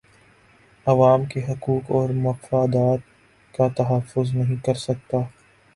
عوام کے حقوق اور مفادات کا تحفظ نہیں کر سکتا